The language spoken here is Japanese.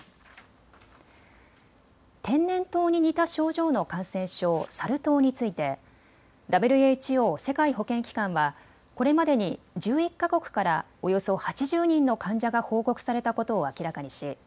天然痘に似た症状の感染症、サル痘についてＷＨＯ・世界保健機関はこれまでに１１か国からおよそ８０人の患者が報告されたことを明らかにし